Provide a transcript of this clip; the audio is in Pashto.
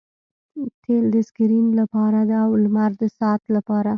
تیل د سکرین لپاره او لمر د ساعت لپاره